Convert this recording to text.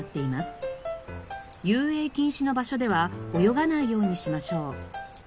遊泳禁止の場所では泳がないようにしましょう。